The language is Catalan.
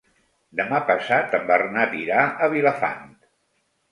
Demà passat en Bernat irà a Vilafant.